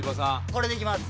これでいきます